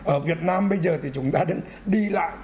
ở việt nam bây giờ thì chúng ta đừng đi lại